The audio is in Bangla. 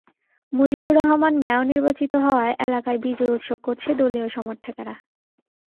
মুজিবুর রহমান মেয়র নির্বাচিত হওয়ায় এলাকায় বিজয় উৎসব করছে দলীয় সমর্থকেরা।